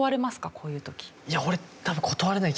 こういう時。